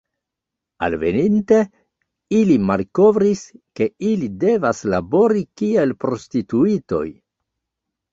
Alveninte, ili malkovris, ke ili devas labori kiel prostituitoj.